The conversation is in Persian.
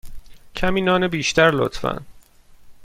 کمی نان بیشتر، لطفا.